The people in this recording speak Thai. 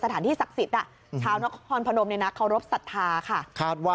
สถานที่ศักดิ์สิทธิ์ชาวนครพนมเนี่ยนะเคารพสัทธาค่ะ